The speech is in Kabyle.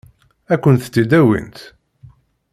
Ad kent-t-id-awint?